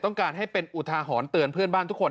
ต้องการให้เป็นอุทาหรณ์เตือนเพื่อนบ้านทุกคน